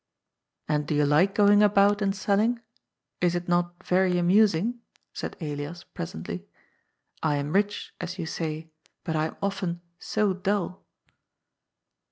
*' And do you like going about and selling? Is it not very amusing ?" said Elias, presently. ^^ I am rich, as you say, but I am often so dull."